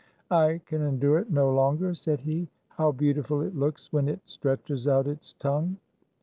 "I can endure it no longer," said he. "How beautiful it looks when it stretches out its tongue!"